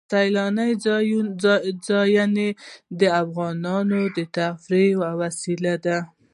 سیلاني ځایونه د افغانانو د تفریح یوه وسیله ده.